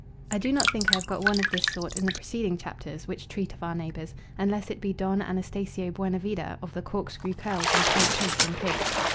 I do not think I have got one of this sort in the preceding chapters which treat of our neighbours, unless it be Don Anastacio Buenavida of the corkscrew curls and quaint taste in pigs.